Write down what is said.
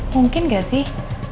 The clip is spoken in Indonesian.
mungkin gak sih